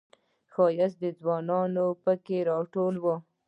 ښایسته ځوانان پکې راټول و.